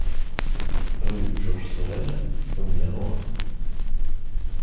Rue Georges Sorel au numéro un